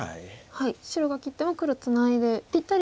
白が切っても黒ツナいでぴったり。